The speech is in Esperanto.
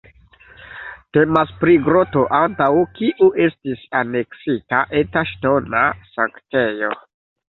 Temas pri groto antaŭ kiu estis aneksita eta ŝtona sanktejo.